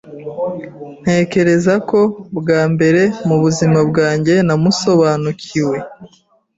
Ntekereza ko, bwa mbere mu buzima bwanjye, namusobanukiwe.